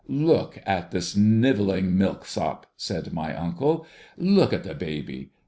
' Look at the snivelling milksop !' said my uncle. ' Look at the i)aby